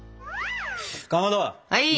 かまど！